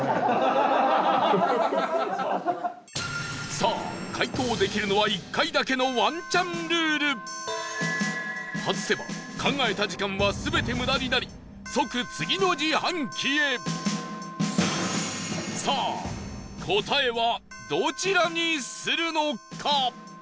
さあ、解答できるのは１回だけのワンチャンルール外せば、考えた時間は全て無駄になり即、次の自販機へさあ、答えはどちらにするのか？